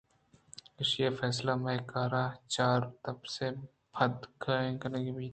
ایشیءِ فیصلہ ماہےءِ کار ءِ چار ءُتپاس ءَ پد کنگ بیت